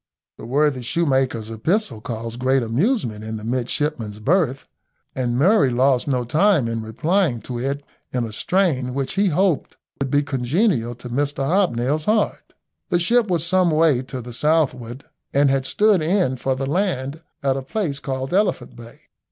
The worthy shoe maker's epistle caused great amusement in the midshipmen's berth, and Murray lost no time in replying to it in a strain which he hoped would be congenial to Mr Hobnail's heart. The ship was some way to the southward, and had stood in for the land at a place called Elephant Bay.